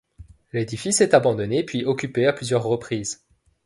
L'édifice est abandonné puis occupé à plusieurs reprises.